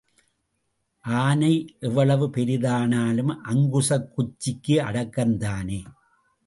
ஆனை எவ்வளவு பெரிதானாலும் அங்குசக் குச்சிக்கு அடக்கந்தானே?